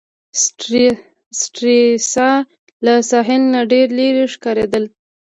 سټریسا له ساحل نه ډېره لیري ښکاریدل.